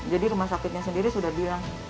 jadi rumah sakitnya sendiri sudah bilang